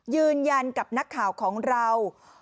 ยืนยันกับนักข่าวของเรา